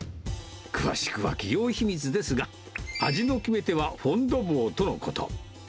詳しくは企業秘密ですが、味の決め手はフォンドヴォーとのこと。